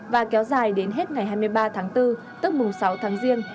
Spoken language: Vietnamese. và kéo dài đến hết ngày hai mươi ba tháng bốn tức mùng sáu tháng riêng